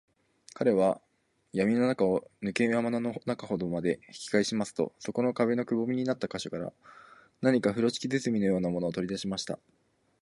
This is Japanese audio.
彼はやみの中を、ぬけ穴の中ほどまで引きかえしますと、そこの壁のくぼみになった個所から、何かふろしき包みのようなものを、とりだしました。